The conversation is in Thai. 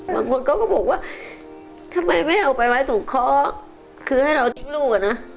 บางคนเขาก็บอกว่าทำไมไม่เอาไปไว้ส่งคล้อคือให้เราทิ้งลูกก่อนนะ